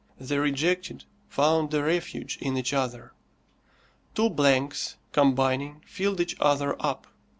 The rejected found a refuge in each other. Two blanks, combining, filled each other up.